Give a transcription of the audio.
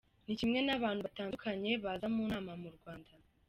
Ni kimwe n’abantu batandukanye baza mu nama mu Rwanda.